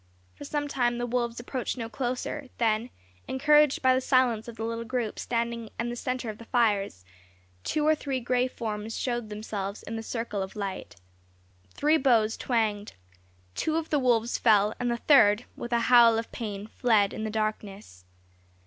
For some time the wolves approached no closer; then, encouraged by the silence of the little group standing in the centre of the fires, two or three gray forms showed themselves in the circle of light. Three bows twanged. Two of the wolves fell, and the third, with a howl of pain, fled in the darkness.